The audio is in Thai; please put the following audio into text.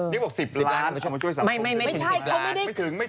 ไม่รู้เหมือนกันนะ